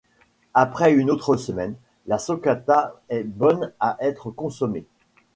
Après une autre semaine, la socată est bonne à être consommée.